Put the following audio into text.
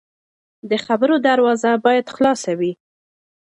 د خبرو دروازه باید خلاصه وي